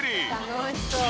楽しそう。